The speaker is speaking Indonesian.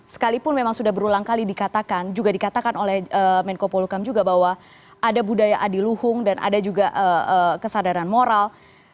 sekalipun memang sudah berulang kali dikatakan juga dikatakan oleh menko polukam juga bahwa ada budaya adiluhung dan ada juga kesadaran moral